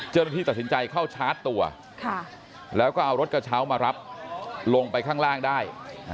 เจ้าหน้าที่ตัดสินใจเข้าชาร์จตัวแล้วก็เอารถกระเช้ามารับลงไปข้างล่างได้